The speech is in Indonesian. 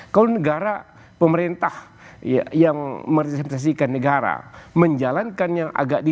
kalau negara pemerintah yang merepresentasikan negara menjalankan yang agak di